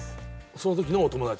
その時のお友達？